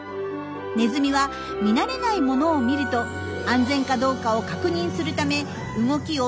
ネズミは見慣れないものを見ると安全かどうかを確認するため動きを止めてしまうんです。